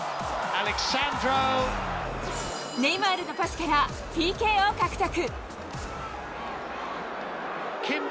ネイマールのパスからＰＫを獲得。